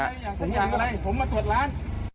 อยากผมอยากอะไรผมมาตรวจร้าน